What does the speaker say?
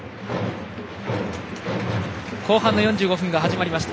後半の４５分が始まりました。